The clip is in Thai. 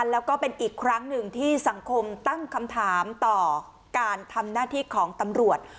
แล้วก็เป็นอีกครั้งหนึ่งที่สังคมตั้งคำถามต่อการทำหน้าที่ของตำรวจ